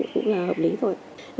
cũng là hợp lý rồi